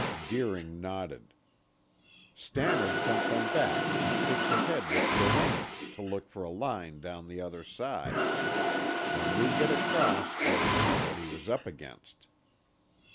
Deering nodded. "Stannard sent them back and pushed ahead with Gillane to look for a line down the other side. When we get across we'll see what he was up against."